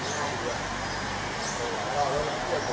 สวัสดีครับ